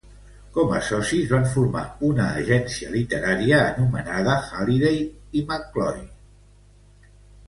Com a socis, van formar una agència literària anomenada Halliday i McCloy.